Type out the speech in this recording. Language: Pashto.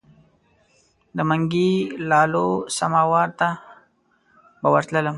د منګي لالو سماوار ته به ورتللم.